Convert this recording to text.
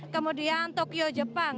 kemudian tokyo jepang